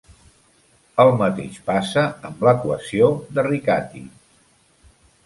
El mateix passa amb l'equació de Riccati.